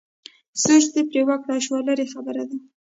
سوچ دې پرې وکړای شو لرې خبره ده.